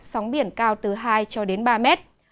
sóng biển cao từ hai ba mét